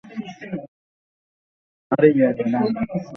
Illinois নারী জোট শিক্ষা সংস্কারের জন্য চাপ দিতে থাকে।